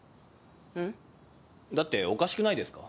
んっ？だっておかしくないですか？